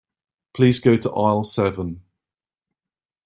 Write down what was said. Please go to aisle seven.